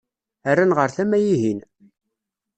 Rran ɣer tama-ihin.